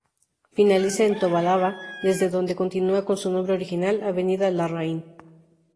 Finaliza en Tobalaba, desde donde continúa con su nombre original, avenida Larraín.